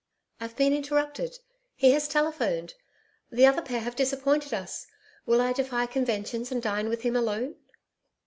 I've been interrupted He has telephoned. The other pair have disappointed us. Will I defy conventions and dine with HIM alone?